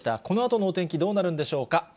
このあとのお天気どうなるんでしょうか。